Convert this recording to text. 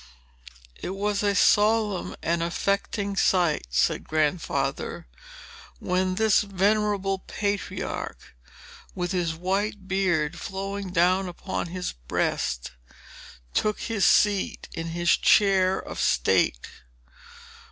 "It was a solemn and affecting sight," said Grandfather, "when this venerable patriarch, with his white beard flowing down upon his breast, took his seat in his Chair of State.